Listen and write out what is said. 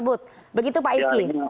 begitu pak ifki